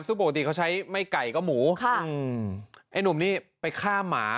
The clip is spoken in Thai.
ซึ่งปกติเขาใช้ไม่ไก่ก็หมูค่ะอืมไอ้หนุ่มนี่ไปฆ่าหมา